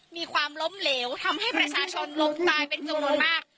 มีความล้มเหลวทำให้ประชาชนล้มตายเป็นจำนวนมาก